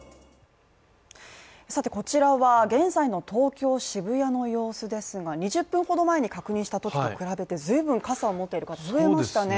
こちらは現在の東京・渋谷の様子ですが２０分ほど前に確認したときと比べてずいぶん傘を持っている人が増えましたね。